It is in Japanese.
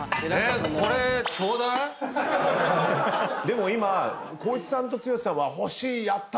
でも今光一さんと剛さんは「欲しい！」「やった！」